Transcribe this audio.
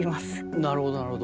なるほどなるほど。